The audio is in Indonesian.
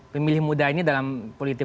pemilih muda ini dalam politik